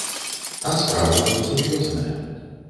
А справа тут сур'ёзная.